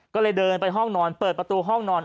ก็เลยเดินไปห้องนอนเปิดประตูห้องนอน